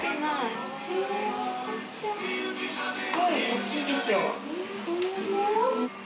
すごいおっきいでしょ？